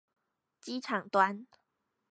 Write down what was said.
機場端